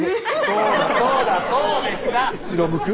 そうだそうだそうでした白むく？